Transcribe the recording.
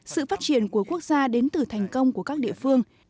sự phát triển của quốc gia đến từ thành công của các địa phương